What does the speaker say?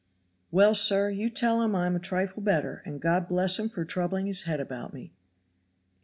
"Well, sir, you tell him I am a trifle better, and God bless him for troubling his head about me."